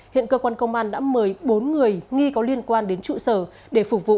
hiện cơ quan công an đã mời bốn người nghi có liên quan đến trụ sở để phục vụ